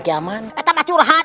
eh tapi curhat